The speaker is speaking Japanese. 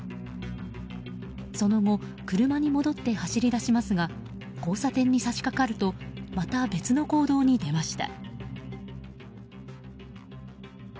その後車に戻って走り出しますが交差点に差し掛かるとまた別の行動に出ました。